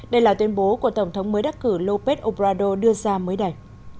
đây là tuyên bố của tổng thống mới đắc cử lôi obrador đưa ra mới đây